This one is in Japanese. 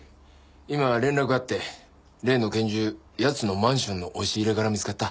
今連絡あって例の拳銃奴のマンションの押し入れから見つかった。